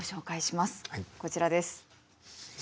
こちらです。